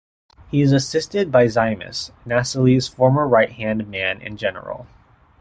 He is assisted by Zymas, Nasilee's former right-hand man and general.